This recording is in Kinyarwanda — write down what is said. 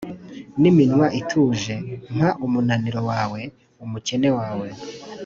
niminwa ituje. “mpa umunaniro wawe, umukene wawe,